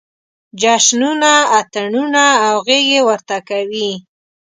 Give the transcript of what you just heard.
جشنونه، اتڼونه او غېږې ورته کوي.